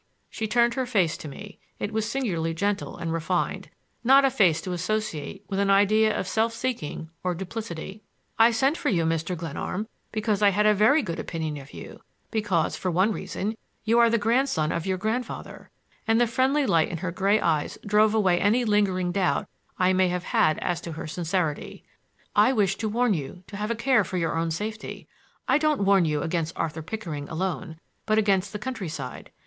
She turned her face to me,—it was singularly gentle and refined,—not a face to associate with an idea of self seeking or duplicity. "I sent for you, Mr. Glenarm, because I had a very good opinion of you; because, for one reason, you are the grandson of your grandfather,"—and the friendly light in her gray eyes drove away any lingering doubt I may have had as to her sincerity. "I wished to warn you to have a care for your own safety. I don't warn you against Arthur Pickering alone, but against the countryside.